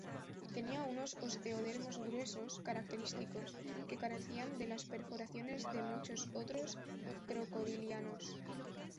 Tenía unos osteodermos gruesos característicos que carecían de las perforaciones de muchos otros crocodilianos.